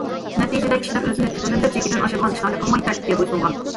نەتىجىدە كىشىلەر ئۆزىنى تۇتۇۋېلىپ، چېكىدىن ئاشىدىغان ئىشلارنى قىلماي، تەرتىپكە بويسۇنغان.